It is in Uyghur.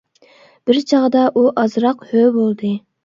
بىر چاغدا ئۇ ئازراق ھۆ بولدى.